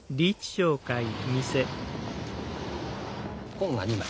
紺が２枚。